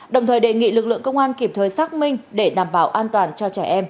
đồng thời đề nghị lực lượng công an kịp thời xác minh để đảm bảo an toàn cho trẻ em